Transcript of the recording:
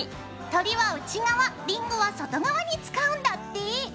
鳥は内側りんごは外側に使うんだって。